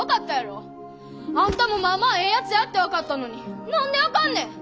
あんたもまあまあええやつやって分かったのに何であかんねん！？